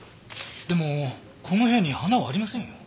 でもこの部屋に花はありませんよ。